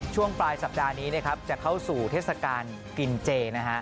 ช่วงปลายสัปดาห์นี้จะเข้าสู่เทศกาลกินเจ